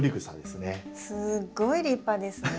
すごい立派ですね。